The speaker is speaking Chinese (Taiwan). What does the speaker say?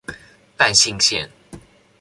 淡信線